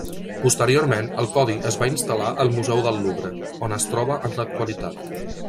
Posteriorment, el codi es va instal·lar al Museu del Louvre, on es troba en l'actualitat.